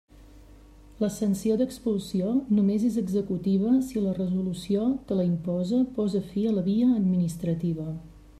La sanció d'expulsió només és executiva si la resolució que la imposa posa fi a la via administrativa.